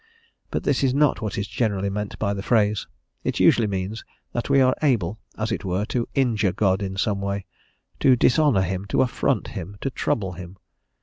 But this is not what is generally meant by the phrase. It usually means that we are able, as it were, to injure God in some way, to dishonour him, to affront him, to trouble him.